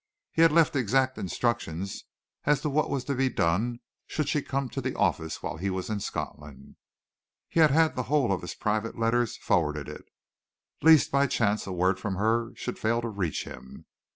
He had left exact instructions as to what was to be done should she come to the office while he was in Scotland. He had had the whole of his private letters forwarded, lest by chance a word from her should fail to reach him.